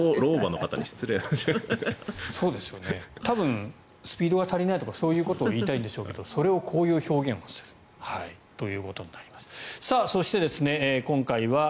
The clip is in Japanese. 多分、スピードが足りないとかそういうことを言いたいんでしょうけどそれをこういう表現をすると。